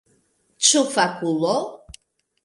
Ĉu fakulo?